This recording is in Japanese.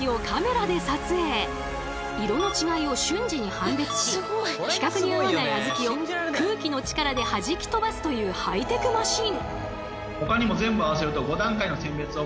色の違いを瞬時に判別し規格に合わないあずきを空気の力ではじき飛ばすというハイテクマシン！